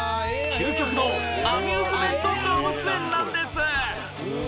究極のアミューズメント動物園なんです